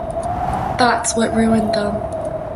That's what ruined them.